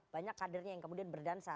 banyak kadernya yang kemudian berdansa